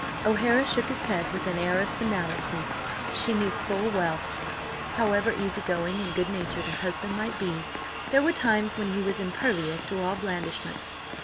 O'Hara shook his head with an air of finality she knew full well. However easy going and good natured her husband might be, there were times when he was impervious to all blandishments.